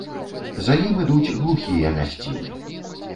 За ім ідуць глухія мясціны.